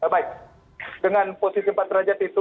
baik dengan posisi empat derajat itu